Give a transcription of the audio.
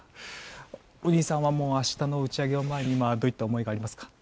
お兄さんは明日の打ち上げを前にどういった思いがありますか。